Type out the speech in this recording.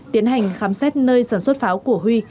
tiến hành khám xét nơi sản xuất pháo của huy